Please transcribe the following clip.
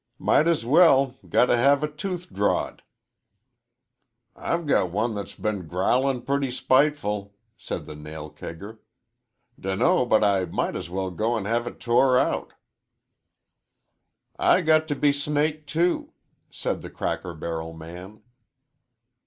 "Might as well got t' hev a tooth drawed." "I've got one that's been growlin' purty spiteful," said the nail kegger. "Dunno but I might as well go an' hev it tore out." "I got t' be snaked, too," said the cracker barrel man.